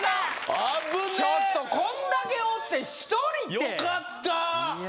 危ねえちょっとこんだけおって１人ってよかったいやー